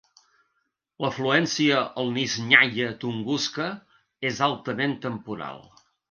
L'afluència al "Nizhnyaya Tunguska" és altament temporal.